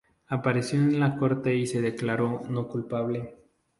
Apareció en la Corte y se declaró "no culpable".